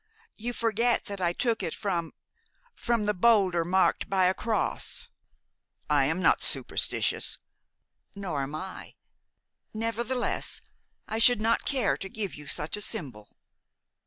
You forget that I took it from from the boulder marked by a cross." "I am not superstitious." "Nor am I. Nevertheless, I should not care to give you such a symbol."